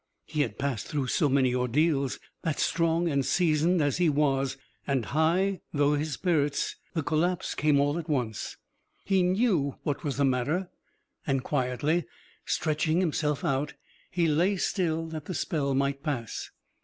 He had passed through so many ordeals that strong and seasoned as he was and high though his spirits, the collapse came all at once. He knew what was the matter and, quietly stretching himself out, he lay still that the spell might pass.